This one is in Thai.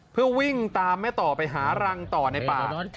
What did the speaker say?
เพื่อวิ่งตามแม่ต่อไปหารังต่อในป่า